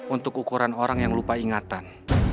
untuk ukuran orang yang lupa ingatan